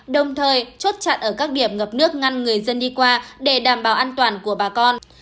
đồng thời chốt chặn ở các điểm ngập nước ngăn người dân đi qua để đảm bảo an toàn của bà con